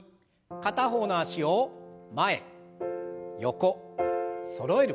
片方の脚を前横そろえる。